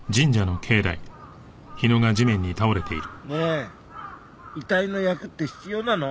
ねえ遺体の役って必要なの？